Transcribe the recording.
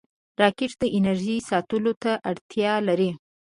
راکټ د انرژۍ ساتلو ته اړتیا لري